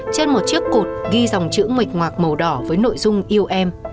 trên một chiếc cột ghi dòng chữ mệch ngoạc màu đỏ với nội dung yêu em